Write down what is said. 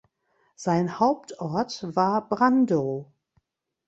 Sein Hauptort war Brando.